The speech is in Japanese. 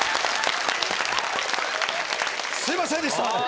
すいませんでした。